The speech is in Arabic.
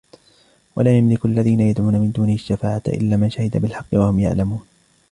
ولا يملك الذين يدعون من دونه الشفاعة إلا من شهد بالحق وهم يعلمون